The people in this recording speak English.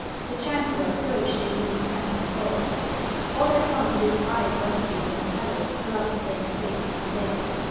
The chancellor approached it with a sense of horror. All at once his eye rested on the pallid, blood stained face of the dead.